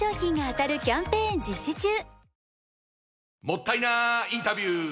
もったいなインタビュー！